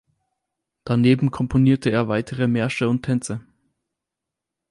Daneben komponierte er weitere Märsche und Tänze.